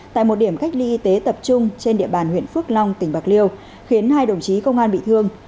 tại một điểm cách ly y tế tập trung trên địa bàn huyện phước long tỉnh bạc liêu khiến hai đồng chí công an bị thương